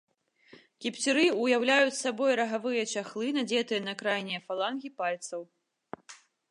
Кіпцюры ўяўляюць сабой рагавыя чахлы, надзетыя на крайнія фалангі пальцаў.